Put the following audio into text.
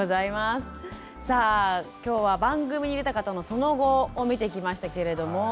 さあ今日は番組に出た方のその後を見てきましたけれども。